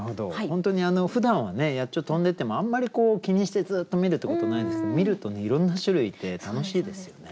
本当にふだんはね野鳥飛んでてもあんまり気にしてずっと見るってことないんですけど見るといろんな種類いて楽しいですよね。